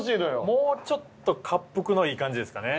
もうちょっとかっぷくのいい感じですかね。